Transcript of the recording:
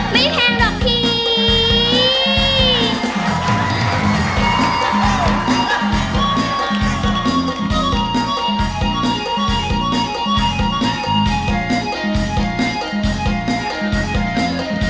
ไม่แพงหรอกพี่